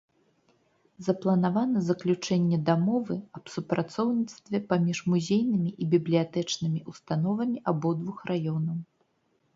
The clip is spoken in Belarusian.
Запланавана заключэнне дамовы аб супрацоўніцтве паміж музейнымі і бібліятэчнымі ўстановамі абодвух раёнаў.